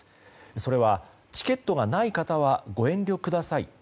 それは、チケットがない方はご遠慮ください。